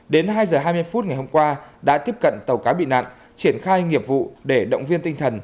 đến hai h hai mươi phút ngày hôm qua đã tiếp cận tàu cá bị nạn triển khai nghiệp vụ để động viên tinh thần